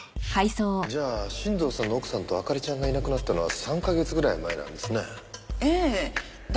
じゃあ新堂さんの奥さんと明里ちゃんがいなくなったのは３カ月ぐらい前なんですね？